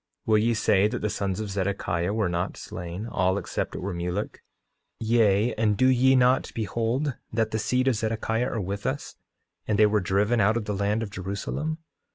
Will ye say that the sons of Zedekiah were not slain, all except it were Mulek? Yea, and do ye not behold that the seed of Zedekiah are with us, and they were driven out of the land of Jerusalem?